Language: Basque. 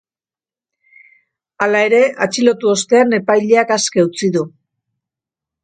Hala ere, atxilotu ostean, epaileak aske utzi du.